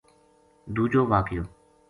دُوجو واقعو